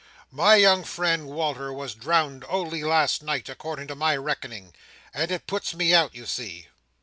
My young friend, Wal"r, was drownded only last night, according to my reckoning, and it puts me out, you see.